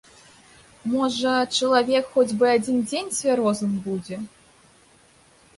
Можа, чалавек хоць бы адзін дзень цвярозым будзе.